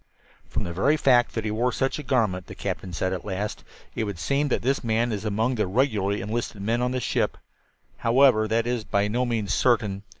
"From the very fact that he wore such a garment," the captain said at last, "it would seem that this man is among the regularly enlisted men on this ship. However, that is by no means certain.